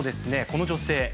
この女性